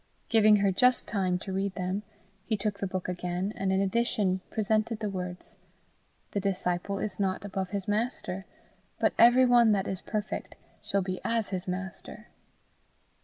Giving her just time to read them, he took the book again, and in addition presented the words, "The disciple is not above his master, but every one that is perfect shall be as his master."